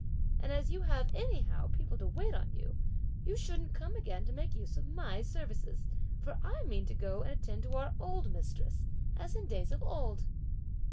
and as you have anyhow people to wait on you, you shouldn't come again to make use of my services, for I mean to go and attend to our old mistress, as in days of old."